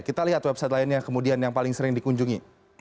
kita lihat website lainnya kemudian yang paling sering dikunjungi